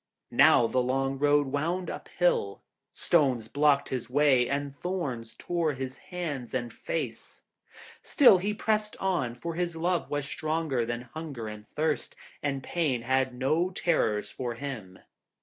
Now the long road wound uphill; stones blocked his way, and thorns tore his hands and face; still he pressed on, for his love was stronger than hunger and thirst, and pain had no terrors for him.